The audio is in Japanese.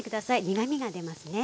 苦みが出ますね。